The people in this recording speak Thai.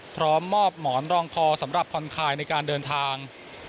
พร้อมมอบหมอนรองคอสำหรับผ่อนคลายในการเดินทาง